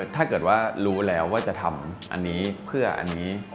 ถ้าเกิดว่ารู้แล้วว่าจะทำอันนี้เพื่ออันนี้